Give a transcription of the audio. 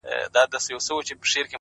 د زړه صفا د سکون سرچینه ده!